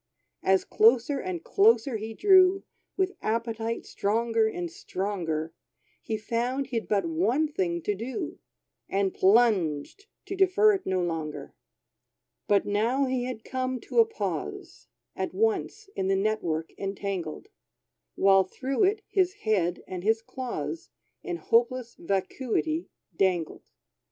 As closer and closer he drew, With appetite stronger and stronger, He found he'd but one thing to do, And plunged, to defer it no longer. But now he had come to a pause, At once in the net work entangled, While through it his head and his claws In hopeless vacuity dangled.